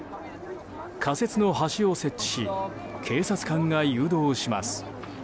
仮設の橋を設置し警察官が誘導します。